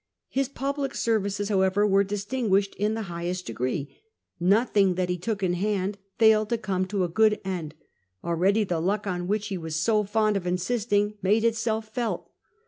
His public services, however, were distinguished in the highest degree: nothing that he took in hand failed to come to a good end ; already the " luck " on which he was so fond of insisting made itself felt.